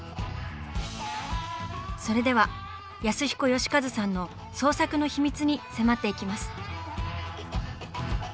それでは安彦良和さんの創作の秘密に迫っていきます。